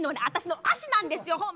私の足なんですよ。